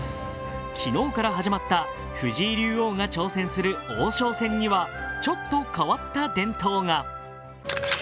昨日から始まった藤井竜王が挑戦する王将戦にはちょっと変わった伝統が。